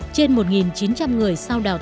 trên một chín trăm linh người